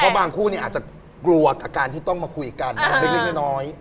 เพราะบางคู่อาจจะกลัวกับการที่ต้องมาคุยกันเล็กน้อย